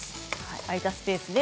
空いたスペースで。